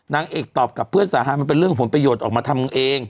นางเอกตอบกับเพื่อนสาหัสมันเป็นเรื่องผลประโยชน์ออกมาทำเอง